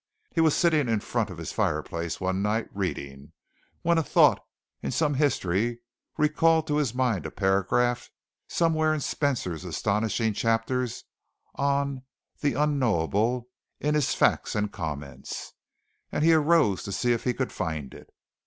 He was sitting in front of his fireplace one night reading, when a thought in some history recalled to his mind a paragraph somewhere in Spencer's astonishing chapters on "the unknowable" in his "Facts and Comments," and he arose to see if he could find it.